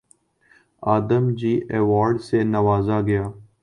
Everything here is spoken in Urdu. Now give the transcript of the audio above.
آدم جی ایوارڈ سے نوازا گیا